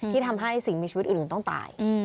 ที่ทำให้สิ่งมีชีวิตอื่นต้องตาย